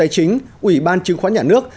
chính ủy ban chứng khoán nhà nước